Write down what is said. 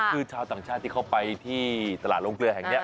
คือชาวต่างชาติที่เขาไปที่ตลาดโรงเกลือแห่งนี้